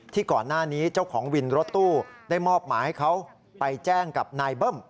ก่อนหน้านี้เจ้าของวินรถตู้ได้มอบหมายให้เขาไปแจ้งกับนายเบิ้ม